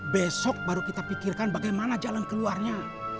besok baru kita pikirkan bagaimana jalan keluarnya